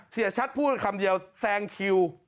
เสียชัดพูดคำเดียวแซงคิว